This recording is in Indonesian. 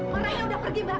marahnya udah pergi mbak